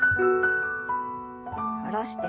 下ろして。